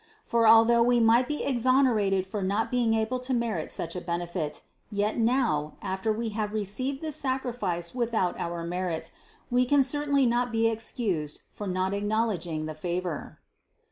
For al though we might be exonerated for not being able to merit such a benefit, yet now, after we have received this sacrifice without our merit, we can certainly not be ex cused for not acknowledging the favor.